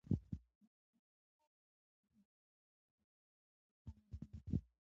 د قانون نه مراعت د زور فرهنګ ته لاره هواروي